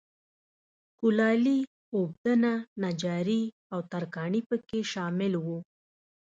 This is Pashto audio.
کولالي، اوبدنه، نجاري او ترکاڼي په کې شامل و.